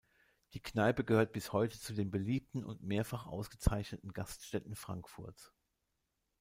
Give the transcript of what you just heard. Die Kneipe gehört bis heute zu den beliebten und mehrfach ausgezeichneten Gaststätten Frankfurts.